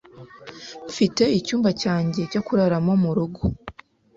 Mfite icyumba cyanjye cyo kuraramo murugo.